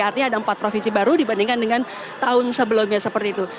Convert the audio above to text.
artinya ada empat provinsi baru dibandingkan dengan tahun sebelumnya seperti itu